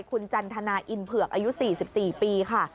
คุณจันทนาอินเผือกอายุ๔๔ปีค่ะ